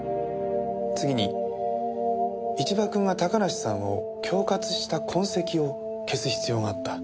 次に一場君が高梨さんを恐喝した痕跡を消す必要があった。